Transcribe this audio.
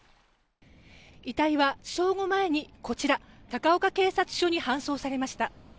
遺体は正午前にこちら、高岡警察署に搬送されました。